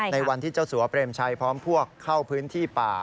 ในวันที่เจ้าสัวเปรมชัยพร้อมพวกเข้าพื้นที่ป่า